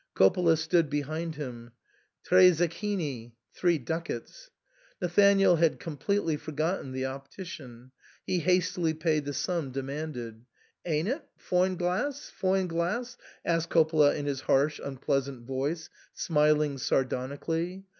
Coppola stood behind him, Tre zechini" (three ducats). Nathanael had completely forgotten the optician ; he hastily paid the sum demanded. " Ain't .'t ? Foine gless ? foine gless ?" asked Coppola in his harsh unpleasant voice, smiling sardonically.